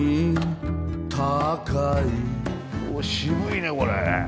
おしぶいねこれ。